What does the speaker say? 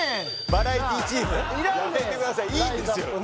バラエティチームやめてくださいいいんですよ